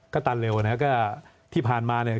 ก็ตันเร็วนะครับก็ที่ผ่านมาเนี่ย